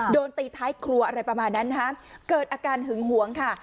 โดนตีท้ายครัวอะไรประมาณนั้นนะฮะเกิดอาการหึงหวงค่ะ